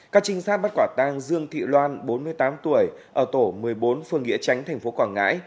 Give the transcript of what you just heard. các trinh sát bắt quả tang dương thị loan bốn mươi tám tuổi ở tổ một mươi bốn phương nghĩa tránh tp quảng ngãi